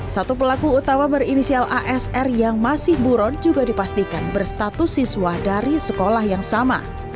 satu pelaku utama berinisial asr yang masih buron juga dipastikan berstatus siswa dari sekolah yang sama